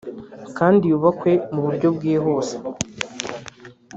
kandi yubakwe mu buryo bwihuse